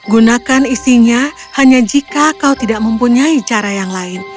gunakan isinya hanya jika kau tidak mempunyai cara yang lain